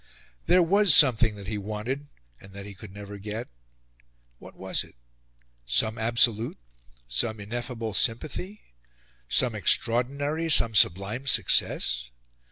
There was something that he wanted and that he could never get. What was it? Some absolute, some ineffable sympathy? Some extraordinary, some sublime success?